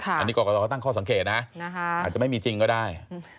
อันนี้กรกตเขาตั้งข้อสังเกตนะอาจจะไม่มีจริงก็ได้